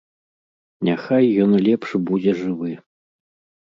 Няхай ён лепш будзе жывы.